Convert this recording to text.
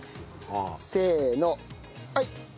せーのはい！